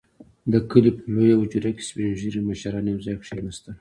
• د کلي په لويه حجره کې سپين ږيري مشران يو ځای کښېناستل.